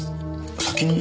先に？